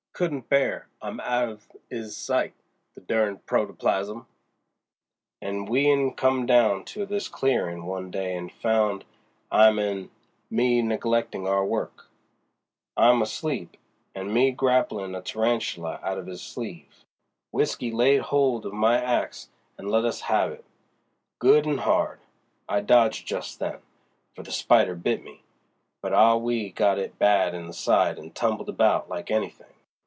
Couldn't bear 'im out of 'is sight, the derned protoplasm! And w'en'e came down to this clearin' one day an' found him an' me neglectin' our work—him asleep an' me grapplin a tarantula out of 'is sleeve—W'isky laid hold of my axe and let us have it, good an' hard! I dodged just then, for the spider bit me, but Ah Wee got it bad in the side an' tumbled about like anything.